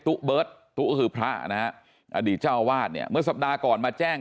เบิร์ตตุ๊ก็คือพระนะฮะอดีตเจ้าวาดเนี่ยเมื่อสัปดาห์ก่อนมาแจ้ง